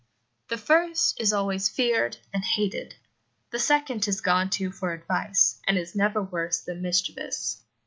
The first is always feared and hated. The second is gone to for advice, and is never worse than mischievous.